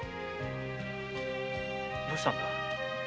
どうしたんだ？